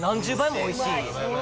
おいしい。